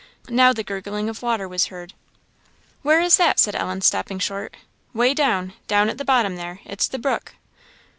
Now the gurgling of waters was heard. "Where is that?" said Ellen, stopping short. " 'Way down down, at the bottom there. It's the brook."